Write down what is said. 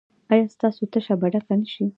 ایا ستاسو تشه به ډکه نه شي؟